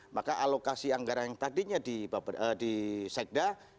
maka alokasi anggaran yang tadinya di sekda